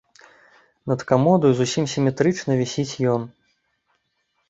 Над камодаю зусім сіметрычна вісіць ён.